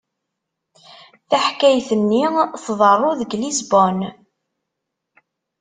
Taḥkayt-nni tḍerru deg Lisbun.